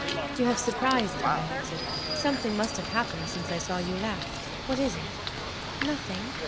"You have surprised me," I answered. "Something must have happened, since I saw you last. What is it?" "Nothing."